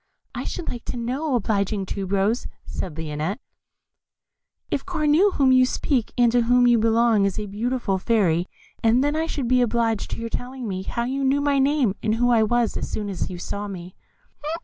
"I should like to know, obliging Tube rose," said Lionette, "if Cornue, of whom you speak, and to whom you belong, is a beautiful fairy; and then I should be obliged by your telling me how you knew my name and who I was as soon as you saw me."